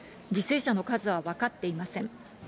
犠牲者の数は分かっていません。